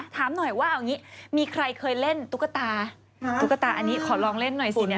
ถามหน่อยว่าเอาอย่างนี้มีใครเคยเล่นตุ๊กตาตุ๊กตาอันนี้ขอลองเล่นหน่อยสินะ